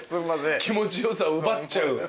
気持ち良さを奪っちゃう。